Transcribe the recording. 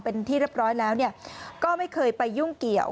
เป็นที่เรียบร้อยแล้วก็ไม่เคยไปยุ่งเกี่ยว